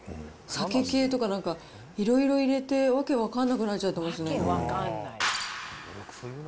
酒系とか、いろいろ入れて、訳分かんなくなっちゃってますよね。